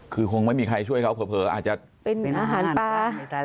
คือคงไม่มีใครช่วยเขาเผลออาจจะเป็นเหมือนอาหารปลา